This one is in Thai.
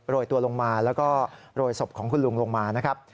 ยตัวลงมาแล้วก็โรยศพของคุณลุงลงมานะครับ